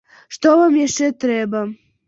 Што вам яшчэ трэба?